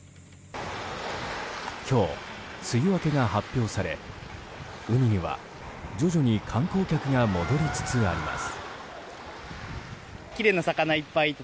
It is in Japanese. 今日、梅雨明けが発表され海には徐々に観光客が戻りつつあります。